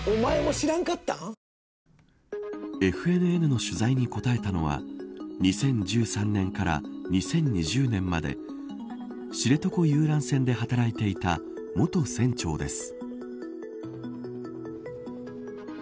ＦＮＮの取材に答えたのは２０１３年から２０２０年まで知床遊覧船で働いていた元船長です。